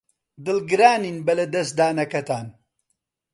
دڵگرانین بە لەدەستدانەکەتان.